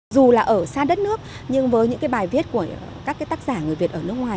dù là ở xa đất nước nhưng với những cái bài viết của các tác giả người việt ở nước ngoài